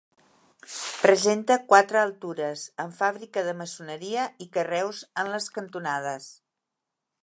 Presenta quatre altures, amb fàbrica de maçoneria i carreus en les cantonades.